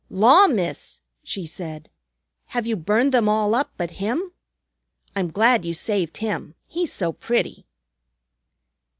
"Law, Miss," she said, "have you burned them all up but him? I'm glad you saved him, he's so pretty."